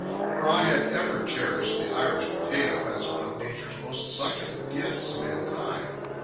For I have ever cherished the Irish potato as one of Nature's most succulent gifts to mankind.